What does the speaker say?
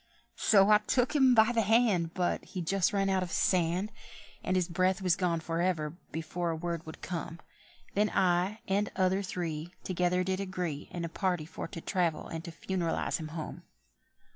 So I took him by the hand, But he'd just run out his sand, And his breath was gone for ever—before a word would come; Then I and other three Together did agree In a party for to travel and to funeralise him home.